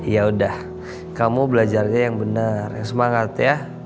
yaudah kamu belajarnya yang benar yang semangat ya